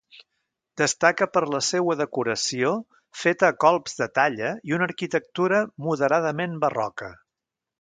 Destaca per la seua decoració, feta a colps de talla i una arquitectura moderadament barroca.